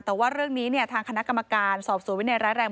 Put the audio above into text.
แต่ว่าเรื่องนี้ทางคณะกรรมการสอบสวนวินัยร้ายแรง